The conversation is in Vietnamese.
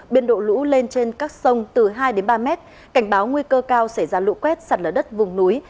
biên độ lũ lên trên các sông từ hai đến ba mét cảnh báo nguy cơ cao xảy ra lũ quét sạt lở đất vùng núi